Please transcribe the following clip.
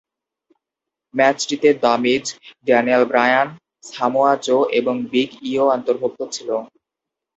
ম্যাচটিতে the Miz, Daniel Bryan, Samoa Joe এবং big E ও অন্তর্ভুক্ত ছিল।